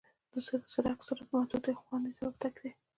د سړک سرعت محدودیت د خوندي تګ سبب دی.